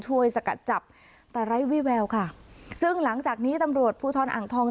สกัดจับแต่ไร้วิแววค่ะซึ่งหลังจากนี้ตำรวจภูทรอ่างทอง